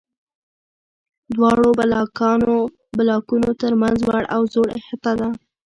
دواړو بلاکونو تر منځ لوړ او ځوړ احاطه ده.